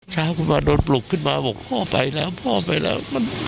เช้าคุณมาโดนปลุกขึ้นมาบอกพ่อไปแล้วพ่อไปแล้ว